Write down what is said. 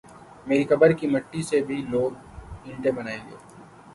میری قبر کی مٹی سے بھی لوگ اینٹیں بنائی گے ۔